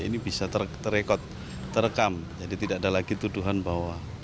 ini bisa terekam jadi tidak ada lagi tuduhan bahwa